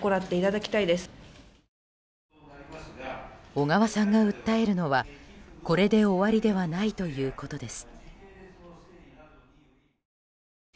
小川さんが訴えるのはこれで終わりではないということです。